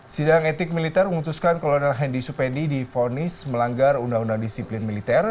sidang etik militer mengutuskan kolonel hendy supendi di vonis melanggar undang undang disiplin militer